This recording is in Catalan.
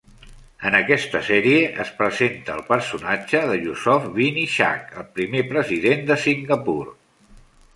En aquesta sèrie es presenta el personatge de Yusof bin Ishak, el primer president de Singapur.